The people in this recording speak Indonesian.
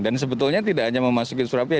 dan sebetulnya tidak hanya memasuki surabaya